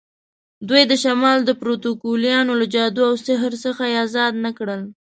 دوی د شمال د پروتوکولیانو له جادو او سحر څخه یې آزاد نه کړ.